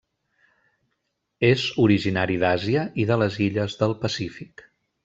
És originari d'Àsia i de les illes del Pacífic.